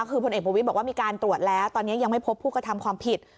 คือพลเอกประวิทย์บอกว่ามีการตรวจแล้วตอนนี้ยังไม่พบผู้กระทำความผิด